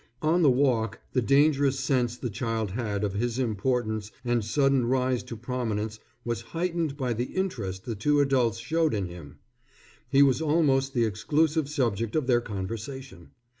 On the walk the dangerous sense the child had of his importance and sudden rise to prominence was heightened by the interest the two adults showed in him. He was almost the exclusive subject of their conversation.